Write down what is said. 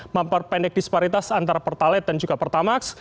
memperpendek disparitas antara pertalet dan juga pertamax